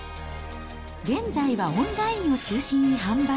現在はオンラインを中心に販売。